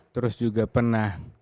terus juga pernah